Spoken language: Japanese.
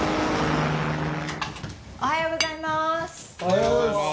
おはようございます。